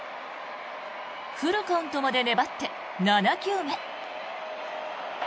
フルカウントまで粘って７球目。